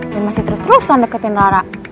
dia masih terus terusan deketin rara